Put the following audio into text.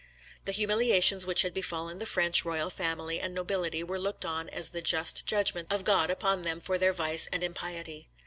The humiliations which had befallen the French royal family and nobility were looked on as the just judgments of God upon them for their vice and impiety.